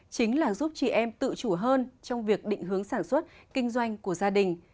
chính là giúp chị em tự chủ hơn trong việc định hướng sản xuất kinh doanh của gia đình